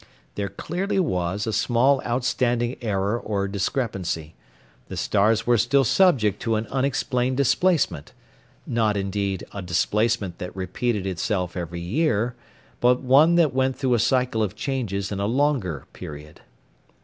There clearly was a small outstanding error or discrepancy; the stars were still subject to an unexplained displacement not, indeed, a displacement that repeated itself every year, but one that went through a cycle of changes in a longer period.